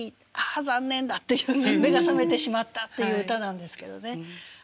あ残念だ」っていう「目が覚めてしまった」っていう歌なんですけどね。